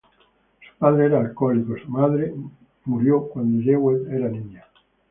Su padre era alcohólico; su madre murió cuando Jewett era niña.